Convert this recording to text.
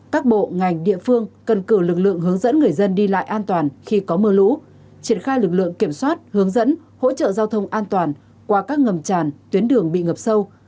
các bộ ngành địa phương cần cử lực lượng hướng dẫn người dân đi lại an toàn khi có mưa lũ triển khai lực lượng kiểm soát hướng dẫn hỗ trợ giao thông an toàn qua các ngầm tràn tuyến đường bị ngập sâu